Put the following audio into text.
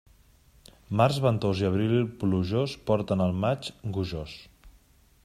Març ventós i abril plujós porten el maig gojós.